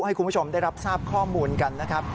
ให้คุณผู้ชมได้รับทราบข้อมูลกันนะครับ